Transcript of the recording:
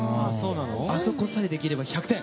あそこさえできれば１００点！